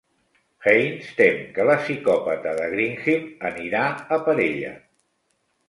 Haines tem que la psicòpata de Greenhill anirà a per ella.